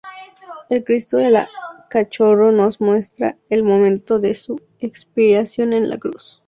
El Cristo del Cachorro nos muestra el momento de su expiración en la Cruz.